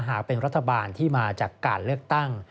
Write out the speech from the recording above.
หากเป็นรัฐบาลที่มาจากการเลือกตั้ง